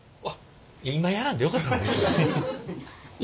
今やらんでよかったのに。